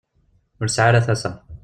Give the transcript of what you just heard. Ur tesɛi ara tasa.